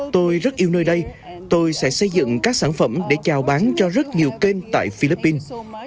tôi rất yêu nơi đây tôi sẽ xây dựng các sản phẩm để chào bán cho rất nhiều kênh tại philippines